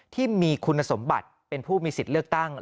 ที่มีคุณสมบัติเป็นผู้มีสิทธิ์เลือกตั้ง